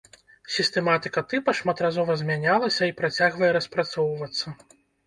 Сістэматыка тыпа шматразова змянялася і працягвае распрацоўвацца.